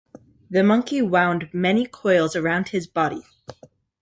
The Monkey wound many coils about his body.